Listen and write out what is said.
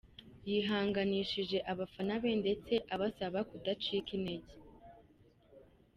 Yihanganishije abafana be ndetse abasaba kudacika intege.